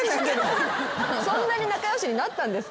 そんなに仲良しになったんですか？